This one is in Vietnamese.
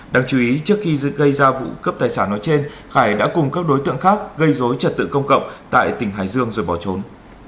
đáng chú ý trước khi gây ra vụ cướp tài sản nói trên khải đã cùng các đối tượng khác gây dối trật tự công cộng tại tỉnh hải dương rồi bỏ trốn